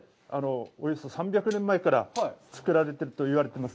およそ３００年前から作られてると言われています。